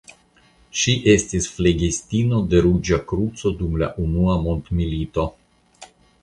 Ŝi estis flegistino de Ruĝa Kruco dum la Unua Mondmilito.